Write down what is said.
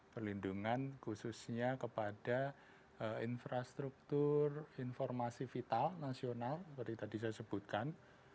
perlindungan khususnya kepada infrastruktur informasi vital nasional seperti tadi saya sebutkan